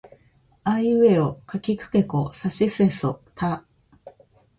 あいうえおかきくけこさしすせそた